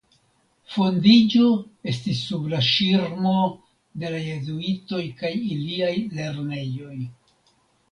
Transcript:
Fondiĝo estis sub la ŝirmo de la jezuitoj kaj iliaj lernejoj.